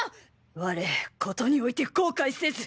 我事において後悔せず！